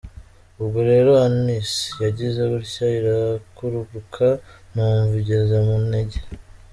Ubwo rero anus yagize gutya irakururuka numva igeze mu ntege .